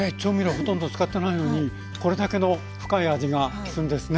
ほとんど使ってないのにこれだけの深い味がするんですね。